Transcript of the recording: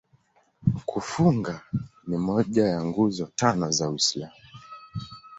Kufunga ni moja ya Nguzo Tano za Uislamu.